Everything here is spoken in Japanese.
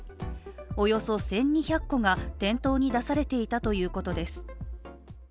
およそ１２００個が店頭に出されていたということです。